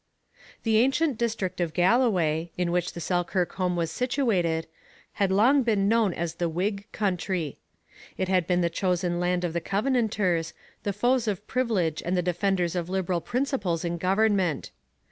The ancient district of Galloway, in which the Selkirk home was situated, had long been known as the Whig country. It had been the chosen land of the Covenanters, the foes of privilege and the defenders of liberal principles in government.